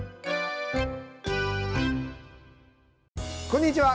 こんにちは。